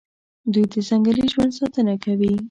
دوی د ځنګلي ژوند ساتنه کوي.